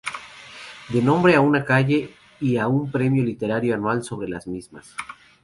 Da nombre a una calle y a un premio literario anual sobre las mismas.